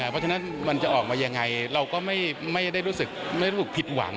เพราะฉะนั้นมันจะออกมายังไงเราก็ไม่ได้รู้สึกไม่รู้สึกผิดหวัง